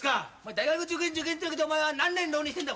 大学受験って言うけどお前は何年浪人してんだ？